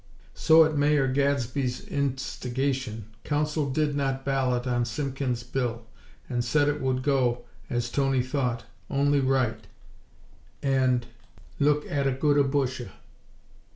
So, at Mayor Gadsby's instigation, Council did not ballot on Simpkins' bill; and said it would go, as Tony thought only right, and "look atta gooda busha."